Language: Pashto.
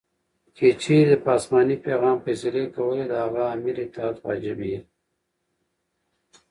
کې چیري په اسماني پیغام فیصلې کولې؛ د هغه آمر اطاعت واجب يي.